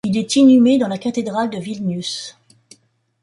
Il est inhumé dans la cathédrale de Vilnius.